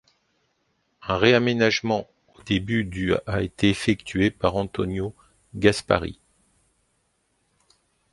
Un réaménagement au début du a été effectué par Antonio Gaspari.